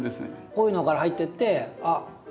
こういうのから入ってってあっ